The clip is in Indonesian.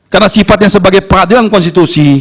karena sifatnya sebagai peradilan konstitusi